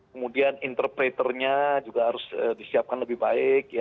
kemudian interpreternya juga harus disiapkan lebih baik